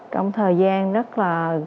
trong thời gian rất là